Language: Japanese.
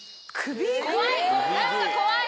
怖い！